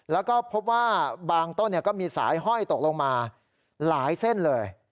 แล้วก็พบว่าบางต้นก็มีสายห้อยตกลงมาหลายเส้นเลย